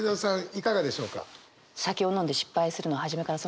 いかがでしょうか？